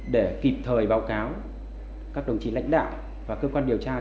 để kịp thời báo cáo các đồng chí lãnh đạo và cơ quan điều tra